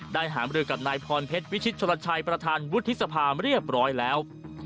หามรือกับนายพรเพชรวิชิตชนลชัยประธานวุฒิสภาเรียบร้อยแล้ว